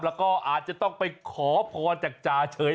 แล้วก็อาจจะต้องไปขอพรจากจาเฉย